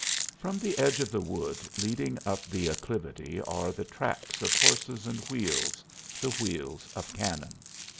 From the edge of the wood leading up the acclivity are the tracks of horses and wheels the wheels of cannon.